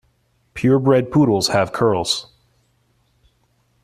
Pure bred poodles have curls.